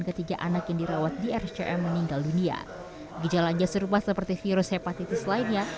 ketiga anak yang dirawat di rcm meninggal dunia gejala jasur pas seperti virus hepatitis lainnya